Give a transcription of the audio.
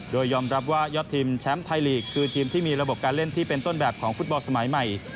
โดยยอมรับว่ายอดทีมแชมป์ไทยลีกคือทีมที่มีระบบการเล่นที่เป็นต้นแบบของฟุตบอลสมัยใหม่